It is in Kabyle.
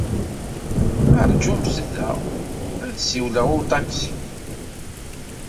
Rǧumt da! ad d-ssiwleɣ i uṭaksi.